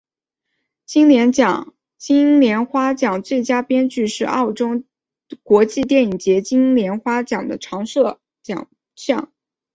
金莲花奖最佳编剧是澳门国际电影节金莲花奖的常设奖项。